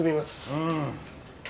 うん。